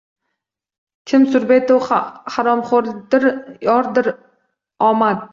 Kim surbetu haromxoʼrdir yordir omad.